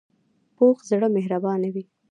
پوخ زړه مهربانه وي